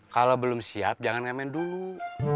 kalau belum siap jangan ngamen dulu